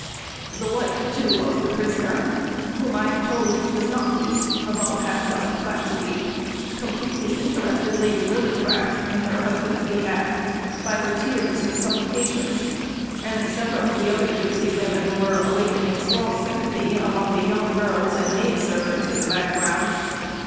The wife, too, of the prisoner, whom I am told he does not beat above half a dozen times a week, completely interested Lady Lillycraft in her husband's behalf, by her tears and supplications; and several of the other gipsy women were awakening strong sympathy among the young girls and maid servants in the background.